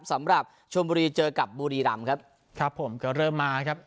สำหรับชมบุรีเจอกับบุรีรำครับครับผมก็เริ่มมาครับ